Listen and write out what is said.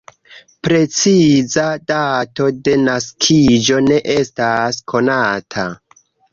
Preciza dato de naskiĝo ne estas konata.